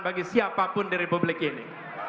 bagi siapapun di republik ini